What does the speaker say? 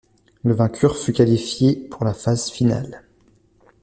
Le vainqueur fut qualifié pour la phase finale.